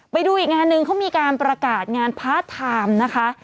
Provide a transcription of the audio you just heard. ไปดูอีกงานหนึ่งเขามีการประกาศงานพาร์ทไทม์นะคะ